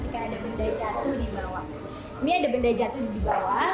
ketika ada benda jatuh di bawah